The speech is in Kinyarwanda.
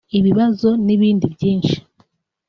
ibibazo n’ibindi byinshi